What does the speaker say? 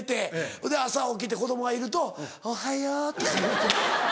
それで朝起きて子供がいると「おはよう」とか言うて。